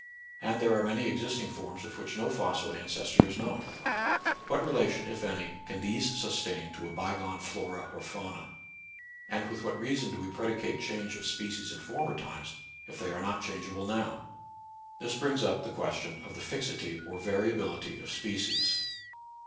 And there are many existing forms of which no fossil an cestor is known. What relation, if any, can these sustain to a by gone flora or fauna ? And with what reason do we predicate .change of species in former times if they are not change able now ? This brings up the question of the fixity or variability of species.